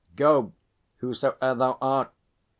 Go, whosoe'er thou art.